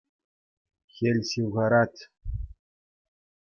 Хӗл ҫывхарать.